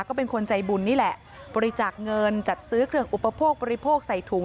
ก็เป็นคนใจบุญนี่แหละบริจาคเงินจัดซื้อเครื่องอุปโภคบริโภคใส่ถุง